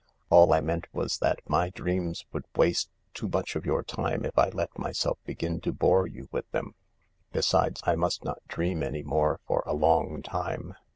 All I meant was that my dreams would waste too much of your time if I let myself begin to bore you with them. Besides, I must not dream any more for a long time.